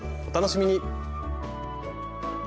お楽しみに！